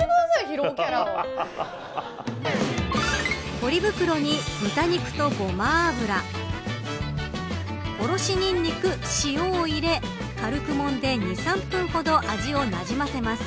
ポリ袋に豚肉とごま油おろしニンニク、塩を入れ軽くもんで、２、３分ほど味をなじませます。